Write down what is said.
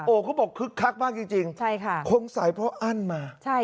เขาบอกคึกคักมากจริงใช่ค่ะคงใส่เพราะอั้นมา